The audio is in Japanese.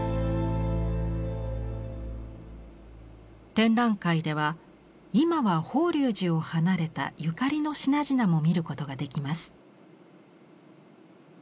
展覧会では今は法隆寺を離れたゆかりの品々も見ることができます。